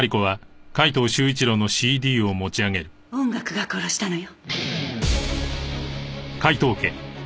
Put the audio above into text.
音楽が殺したのよ。